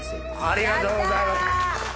ありがとうございます！